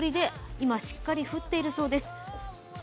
今、しっかり降っているそうです。